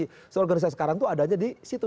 isu organisasi sekarang itu adanya di situ